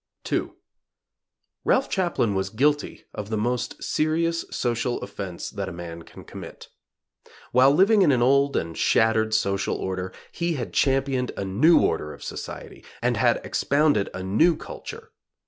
II. Ralph Chaplin was guilty of the most serious social offense that a man can commit. While living in an old and shattered social order, he had championed a new order of society and had expounded a new culture.